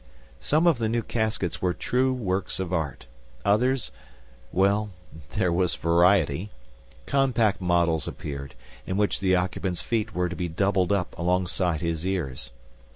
Some of the new caskets were true works of art. Others well, there was variety. Compact models appeared, in which the occupant's feet were to be doubled up alongside his ears.